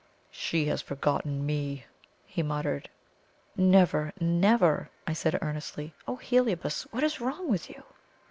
"She has forgotten ME!" he muttered. "Never never!" I said earnestly. "Oh, Heliobas! what is wrong with you?"